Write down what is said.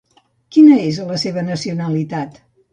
Quina és la seva nacionalitat?